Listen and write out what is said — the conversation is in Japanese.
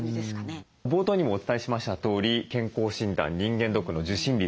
冒頭にもお伝えしましたとおり健康診断人間ドックの受診率